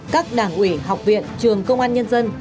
các đảng ủy học viện trường công an nhân dân